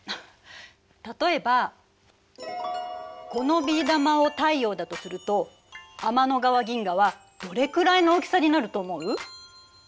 例えばこのビー玉を太陽だとすると天の川銀河はどれくらいの大きさになると思う？